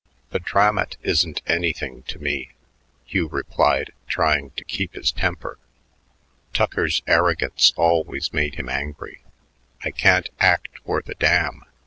"The Dramat isn't anything to me," Hugh replied, trying to keep his temper. Tucker's arrogance always made him angry. "I can't act worth a damn.